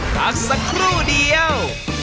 พักสักครู่เดียว